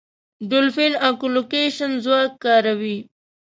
ډولفین اکولوکېشن ځواک کاروي.